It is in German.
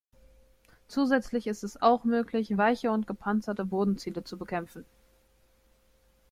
Zusätzlich ist es auch möglich, weiche und gepanzerte Bodenziele zu bekämpfen.